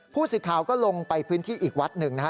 ผู้สื่อข่าวก็ลงไปพื้นที่อีกวัดหนึ่งนะฮะ